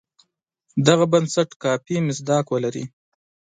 دغه بنسټ کافي مصداق ولري.